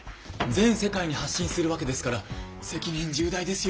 全世界に発信するわけですから責任重大ですよ。